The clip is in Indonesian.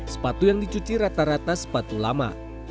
sepatu yang dicuci rata rata sepatu lama